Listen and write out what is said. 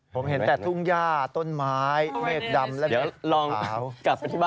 ผมเห็นแต่ทุ่งยาต้นไม้แมงดำ